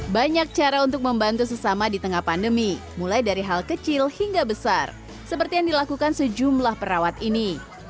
banyak cara untuk membantu sesama di tengah pandemi mulai dari hal kecil hingga besar seperti yang dilakukan sejumlah perawat ini